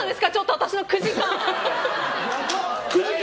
私の９時間。